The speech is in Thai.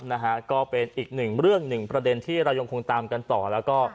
นะฮะก็เป็นอีกหนึ่งเรื่องหนึ่งประเด็นที่เรายังคงตามกันต่อแล้วก็